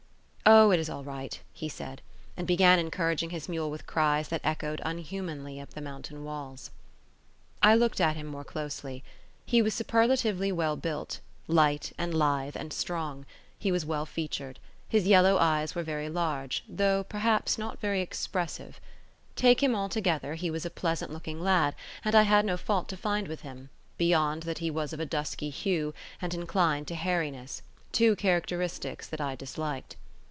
"O, it is all right," he said; and began encouraging his mule with cries that echoed unhumanly up the mountain walls. I looked at him more closely. He was superlatively well built, light, and lithe and strong; he was well featured; his yellow eyes were very large, though, perhaps, not very expressive; take him altogether, he was a pleasant looking lad, and I had no fault to find with him, beyond that he was of a dusky hue, and inclined to hairyness; two characteristics that I disliked.